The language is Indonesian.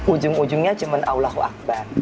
ujung ujungnya cuma allahu akbar